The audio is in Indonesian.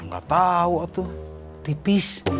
gak tau tipis